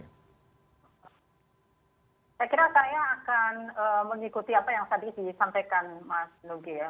saya kira saya akan mengikuti apa yang tadi disampaikan mas nugi ya